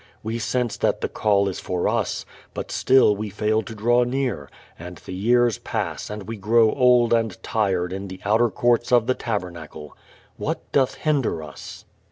We sense that the call is for us, but still we fail to draw near, and the years pass and we grow old and tired in the outer courts of the tabernacle. What doth hinder us?